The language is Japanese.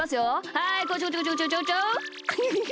はいこちょこちょこちょこちょ。